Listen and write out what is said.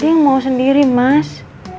deng mau sendiri mas